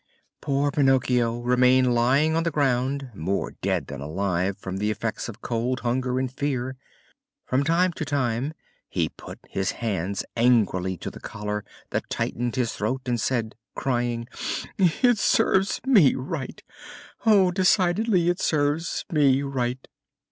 Poor Pinocchio remained lying on the ground more dead than alive from the effects of cold, hunger and fear. From time to time he put his hands angrily to the collar that tightened his throat and said, crying: "It serves me right! Decidedly, it serves me right!